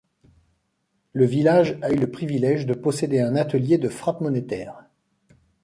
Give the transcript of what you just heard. Le village a eu le privilège de posséder un atelier de frappe monétaire.